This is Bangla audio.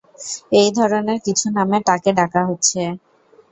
এই ধরনের কিছু নামে তাকে ডাকা হচ্ছে!